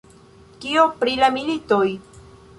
Kio pri la militoj?